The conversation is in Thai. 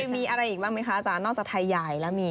มีอะไรอีกบ้างไหมคะอาจารย์นอกจากไทยใหญ่แล้วมี